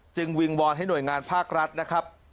วิงวอนให้หน่วยงานภาครัฐนะครับ